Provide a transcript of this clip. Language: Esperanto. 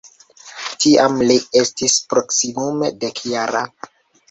Tiam li estis proksimume dekjara.